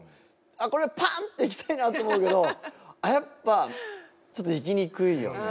あっこれはパンっていきたいなと思うけどやっぱちょっといきにくいよね。